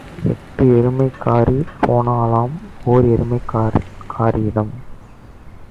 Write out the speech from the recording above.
எட்டு எருமைக்காரி போனாளாம், ஓர் எருமைக்காரியிடம்.